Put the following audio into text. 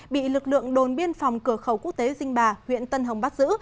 bị lực lượng đồn biên phòng cửa khẩu quốc tế dinh bà huyện tân hồng bắt giữ